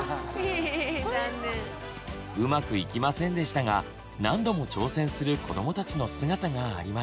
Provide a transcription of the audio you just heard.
うまくいきませんでしたが何度も挑戦する子どもたちの姿がありました。